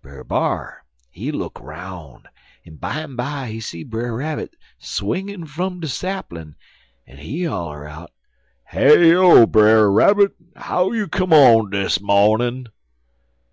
"Brer B'ar, he look 'roun en bimeby he see Brer Rabbit swingin' fum de saplin', en he holler out: "'Heyo, Brer Rabbit! How you come on dis mawnin'?'